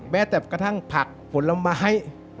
แม้แต่กระทั่งผักผลไม้